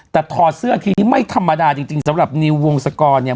แต่ถอดเสื้อทีนี้ไม่ธรรมดาจริงสำหรับนิววงศกรเนี่ย